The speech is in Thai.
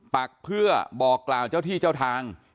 ปักเพื่อบอกกล่าวเจ้าที่เจ้าทาง